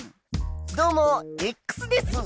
どうもです！